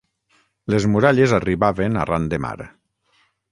Les muralles arribaven arran de mar.